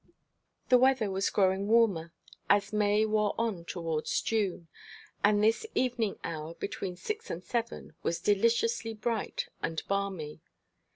The weather was growing warmer as May wore on towards June, and this evening hour, between six and seven, was deliciously bright and balmy.